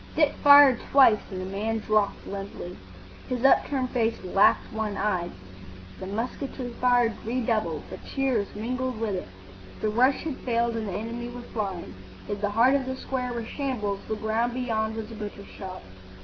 Dick fired twice, and the man dropped limply. His upturned face lacked one eye. The musketry fire redoubled, but cheers mingled with it. The rush had failed and the enemy were flying. If the heart of the square were shambles, the ground beyond was a butcher's shop.